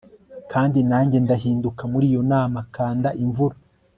Kandi nanjye ndahinduka muri iyo nama kanda imvura